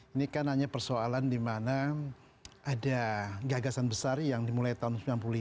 ini kan hanya persoalan di mana ada gagasan besar yang dimulai tahun seribu sembilan ratus sembilan puluh lima